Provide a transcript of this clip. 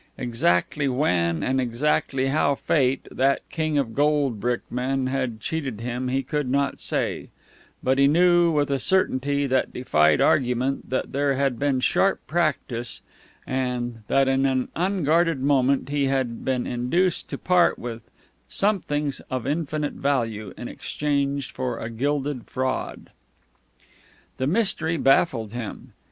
Exactly when and exactly how Fate, that king of gold brick men, had cheated him he could not say; but he knew, with a certainty that defied argument, that there had been sharp practise, and that in an unguarded moment he had been induced to part with something of infinite value in exchange for a gilded fraud. The mystery baffled him.